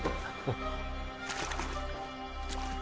あっ。